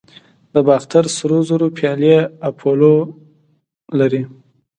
د باختر سرو زرو پیالې اپولو لري